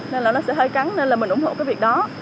nên là nó sẽ hơi cắn nên là mình ủng hộ cái việc đó